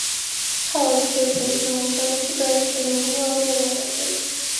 თავად ჯეფრის ნამუშევრებში გაერთიანებულია ორი ელემენტი.